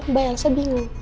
mbak yang sebingung